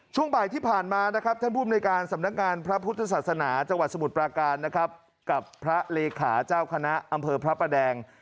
จังหวัดสมุทรปราการนะครับกับพระเลขาเจ้าคณะอำเภอพระประแดง